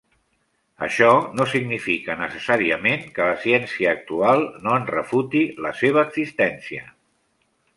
Això no significa necessàriament que la ciència actual no en refuti la seva existència.